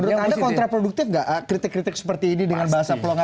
menurut anda kontraproduktif nggak kritik kritik seperti ini dengan bahasa pelonggaran